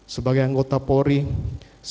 sebagai anggota polri saya tidak berhenti